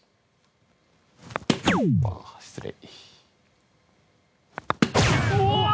ああ失礼。